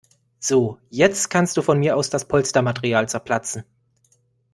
So, jetzt kannst du von mir aus das Polstermaterial zerplatzen.